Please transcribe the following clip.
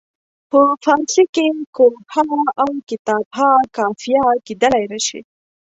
په فارسي کې کوه ها او کتاب ها قافیه کیدلای نه شي.